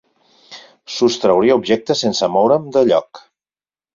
Sostrauria objectes sense moure'm de lloc.